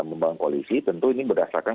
membangun koalisi tentu ini berdasarkan